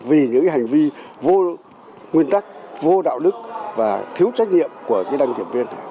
vì những cái hành vi vô nguyên tắc vô đạo đức và thiếu trách nhiệm của cái đăng kiểm viên này